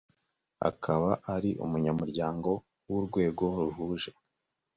akaba ari umunyamuryango w urwego ruhuje